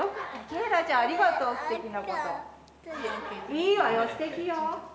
いいわよすてきよ。